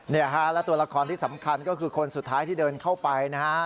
นี่ค่ะแล้วตัวละครที่สำคัญก็คือคนสุดท้ายที่เดินเข้าไปนะครับ